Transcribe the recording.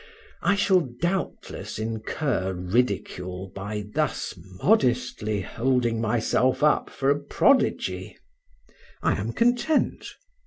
I shall doubtless incur ridicule by thus modestly holding myself up for a prodigy I am content.